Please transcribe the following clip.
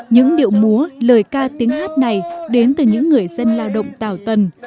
những điệu múa lời ca tiếng hát này đến từ những người dân lao động tạo tần